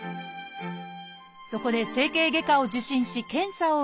そこで整形外科を受診し検査を受けました。